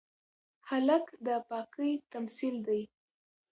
هلک د پاکۍ تمثیل دی.